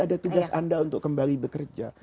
ada tugas anda untuk kembali bekerja